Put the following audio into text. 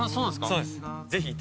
そうです。